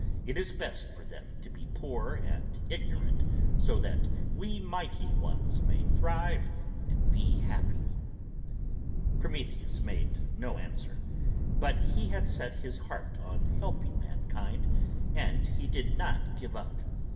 It is best for them to be poor and ignorant, that so we Mighty Ones may thrive and be happy." Prometheus made no answer; but he had set his heart on helping mankind, and he did not give up.